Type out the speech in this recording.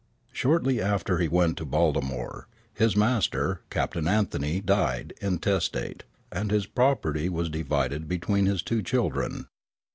Shortly after he went to Baltimore, his master, Captain Anthony, died intestate, and his property was divided between his two children.